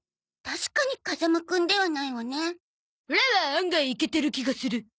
確かに風間くんではないわね。オラは案外イケてる気がする。